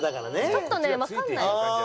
ちょっとねわかんない。